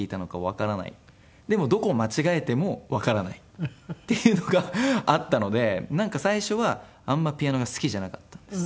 でもどこを間違えてもわからないっていうがあったのでなんか最初はあんまりピアノが好きじゃなかったんです。